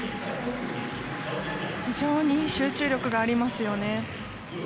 非常に集中力がありますよね。